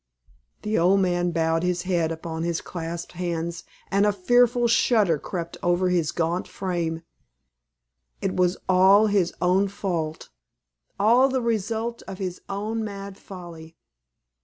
The old man bowed his head upon his clasped hands, and a fearful shudder crept over his gaunt frame. It was all his own fault all the result of his own mad folly.